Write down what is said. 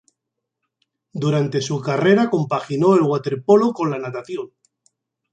Durante su carrera compaginó el waterpolo con la natación.